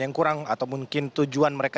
yang kurang atau mungkin tujuan mereka